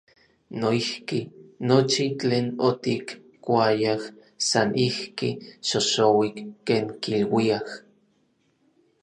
Noijki, nochi tlen otikkuayaj san ijki, “xoxouik”, ken kiluiaj.